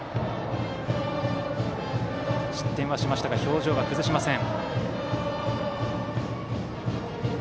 失点はしましたが表情は崩しません。